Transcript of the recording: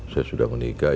saya sudah menikah